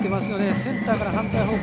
センターから反対方向